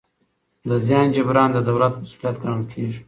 د زیان جبران د دولت مسوولیت ګڼل کېږي.